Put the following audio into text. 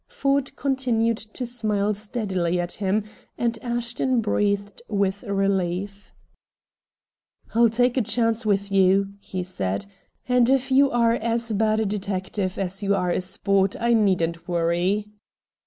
Ford continued to smile steadily at him, and Ashton breathed with relief. "I'll take a chance with you," he said, "and if you are as bad a detective as you are a sport I needn't worry."